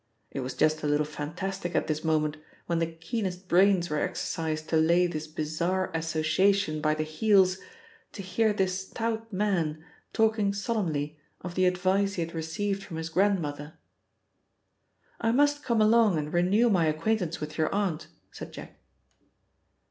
It was just a little fantastic at this moment, when the keenest brains were exercised to lay this bizarre association by the heels, to hear this stout man talking solemnly of the advice he had received from his grandmother! "I must come along and renew my acquaintance with your aunt," said Jack.